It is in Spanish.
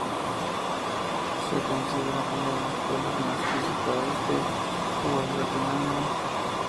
Se considera uno de los pueblos más visitados en Huehuetenango.